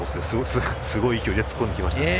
すごい勢いで突っ込んできましたね。